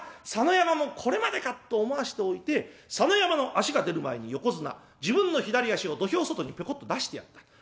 佐野山もこれまでか」と思わせておいて佐野山の足が出る前に横綱自分の左足を土俵外にぴょこっと出してやった。